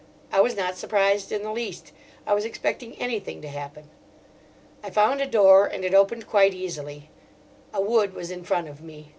I was not surprised in the least. I was expecting anything to happen. I found a door and it opened quite easily. A wood was in front of me.